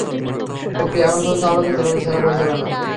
এটি এখন পর্যন্ত আমার জীবনের সেরা পরিচালনা।